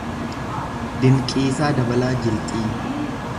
Dinqiisaa Dabalaa Jilxii